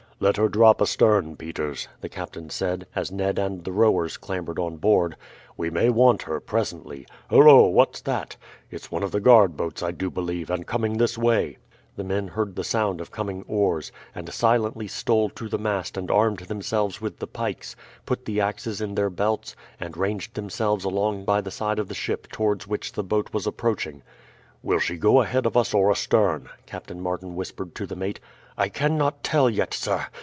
"Let her drop astern, Peters," the captain said, as Ned and the rowers clambered on board; "we may want her presently. Hullo! what's that? It's one of the guard boats, I do believe, and coming this way." The men heard the sound of coming oars, and silently stole to the mast and armed themselves with the pikes, put the axes in their belts, and ranged themselves along by the side of the ship towards which the boat was approaching. "Will she go ahead of us or astern?" Captain Martin whispered to the mate. "I cannot tell yet, sir.